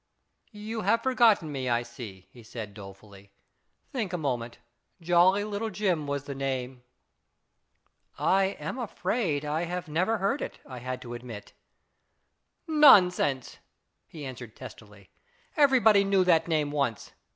"You have forgotten me, I see/' he said, dolefully. u Think a moment. Jolly Little Jim was the name." "I am afraid I never heard it," I had to admit. " Nonsense !" he answered testily. <c Every body knew that name once.